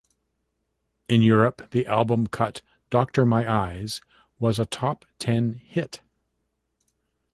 In Europe the album cut "Doctor My Eyes" was a top ten hit.